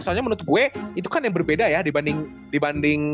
soalnya menurut gue itu kan yang berbeda ya dibanding